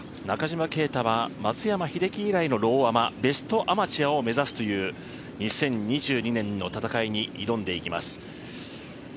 中島啓太は松山英樹以来のローアマベストアマチュアを目指すという２０２２年の戦いに挑んでいきます。